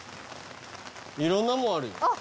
いろんなもんあるよ。